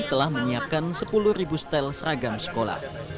telah menyiapkan sepuluh stel seragam sekolah